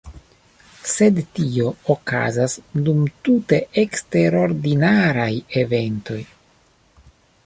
Sed tio okazas dum tute eksterordinaraj eventoj.